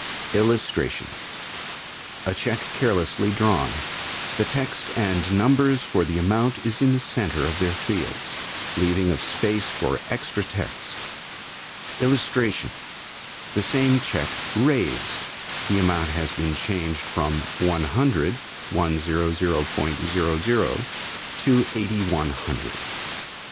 [Illustration: A Check Carelessly Drawn. The text and numbers for the amount is in the center of their fields, leaving of space for extra text.] [Illustration: The Same Check "Raised". The amount has been changed from One Hundred/100.00 to Eighty One Hundred/$8100.